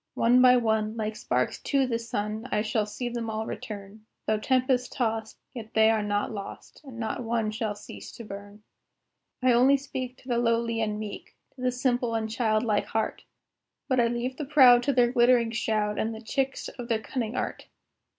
One by one, like sparks to the sun, I shall see them all return; Though tempest tost, yet they are not lost, And not one shall cease to burn. I only speak to the lowly and meek, To the simple and child like heart, But I leave the proud to their glittering shroud, And the tricks of their cunning art.